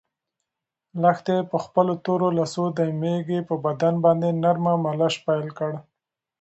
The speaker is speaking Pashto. لښتې په خپلو تورو لاسو د مېږې په بدن باندې نرمه مالش پیل کړ.